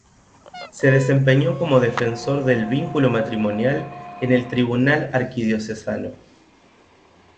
Se desempeñó como defensor del vínculo matrimonial en el tribunal arquidiocesano.